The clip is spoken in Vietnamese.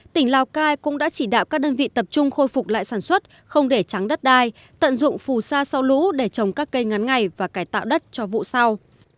tỉnh lào cai cũng đã chỉ đạo các đơn vị tập trung khôi phục lại sản xuất không để trắng đất đai tận dụng phù sa sau lũ để trồng các cây ngắn ngày và cải tạo đất cho vụ sau